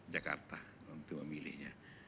jakarta untuk memilihnya